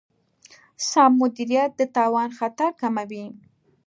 سم مدیریت د تاوان خطر کموي.